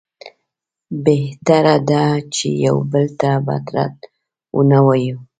بهتره ده چې یو بل ته بد رد ونه وایو.